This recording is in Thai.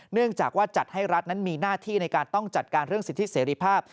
เนื่องจากว่าจัดให้รัฐนั้นมีหน้าที่ในการต้องจัดการเรื่องสิทธิเสรีภาพ